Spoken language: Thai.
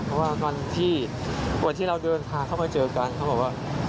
เพราะว่าวันที่วันที่เราเดินทางเข้ามาเจอกันเขาบอกว่า